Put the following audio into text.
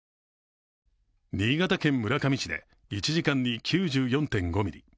新潟県村上市で１時間に９４．５ミリ。